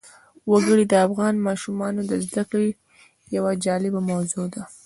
وګړي د افغان ماشومانو د زده کړې یوه جالبه موضوع ده.